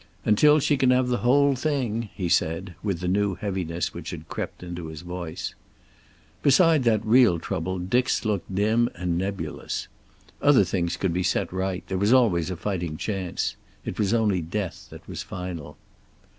"Until she can have the whole thing," he said, with the new heaviness which had crept into his voice. Beside that real trouble Dick's looked dim and nebulous. Other things could be set right; there was always a fighting chance. It was only death that was final.